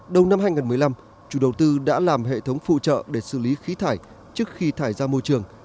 đầu năm hai nghìn một mươi năm chủ đầu tư đã làm hệ thống phụ trợ để xử lý khí thải trước khi thải ra môi trường